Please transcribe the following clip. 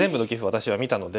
私は見たので。